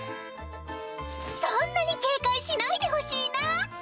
そんなに警戒しないでほしいな！